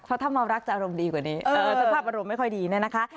เพราะถ้าเมารักจะอารมณ์ดีกว่านี้สภาพอารมณ์ไม่ค่อยดีเนี่ยนะคะ